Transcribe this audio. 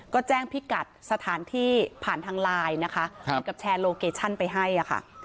ก็แจ้งพิกัดสถานที่ผ่านทางไลน์นะคะเหมือนกับแชร์โลเคชั่นไปให้ค่ะ